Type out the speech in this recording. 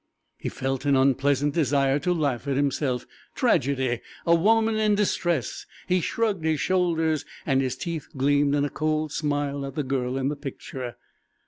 He felt an unpleasant desire to laugh at himself. Tragedy! A woman in distress! He shrugged his shoulders, and his teeth gleamed in a cold smile at the girl in the picture.